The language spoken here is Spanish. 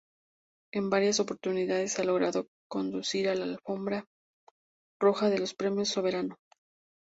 En varias oportunidades ha logrado conducir la alfombra roja de los Premios Soberano.